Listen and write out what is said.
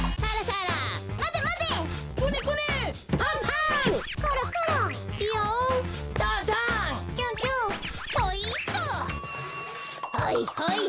はいはい！